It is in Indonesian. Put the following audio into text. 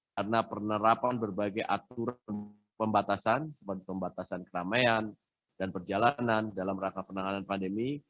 karena penerapan berbagai aturan pembatasan sebuah pembatasan keramaian dan perjalanan dalam rangka penanganan pandemi